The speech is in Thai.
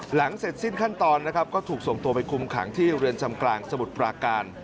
หลังเสร็จสิ้นขั้นตอนนะครับก็ถูกส่งตัวไปคุมขังที่เรือนจำกลางสมุทรปราการ